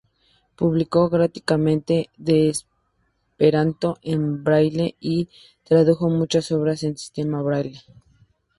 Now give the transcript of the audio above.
Publicó gramáticas de Esperanto en Braille y tradujo muchas obras en sistema Braille.